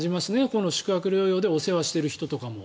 この宿泊療養でお世話している人とかも。